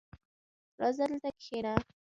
راځه دلته کښېنه!